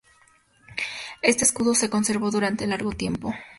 Este escudo se conservó durante largo tiempo.